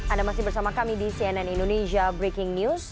anda masih bersama kami di cnn indonesia breaking news